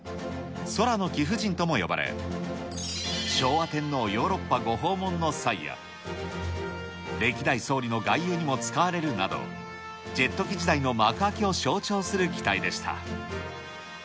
空の貴婦人とも呼ばれ、昭和天皇ヨーロッパご訪問の際や、歴代総理の外遊にも使われるなど、ジェット機時代の幕開けを象徴する機体でした。